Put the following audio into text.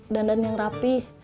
dandan yang rapih